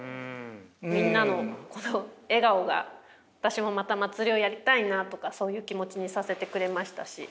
みんなのこの笑顔が私もまた祭りをやりたいなとかそういう気持ちにさせてくれましたし。